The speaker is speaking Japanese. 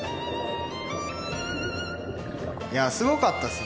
いやすごかったですね。